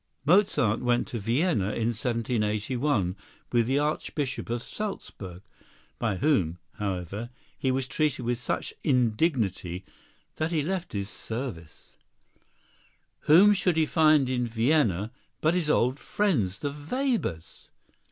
Mozart went to Vienna in 1781 with the Archbishop of Salzburg, by whom, however, he was treated with such indignity that he left his service. Whom should he find in Vienna but his old friends the Webers!